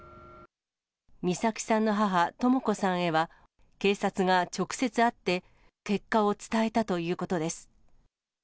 美咲さんの母、とも子さんへは、警察が直接会って、結果を伝えたということです。